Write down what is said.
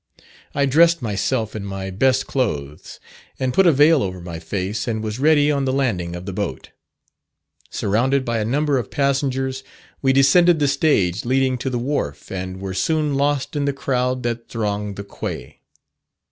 I dressed myself in my best clothes, and put a veil over my face, and was ready on the landing of the boat. Surrounded by a number of passengers, we descended the stage leading to the wharf and were soon lost in the crowd that thronged the quay.